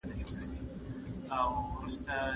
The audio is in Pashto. ایا د بدن د پوستکي د نرموالي لپاره د زیتون غوړي ښه دي؟